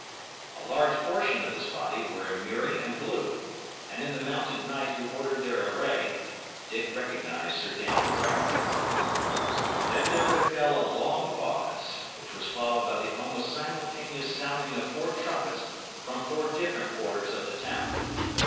A large portion of this body were in murrey and blue, and in the mounted knight who ordered their array Dick recognised Sir Daniel Brackley. Then there befell a long pause, which was followed by the almost simultaneous sounding of four trumpets from four different quarters of the town.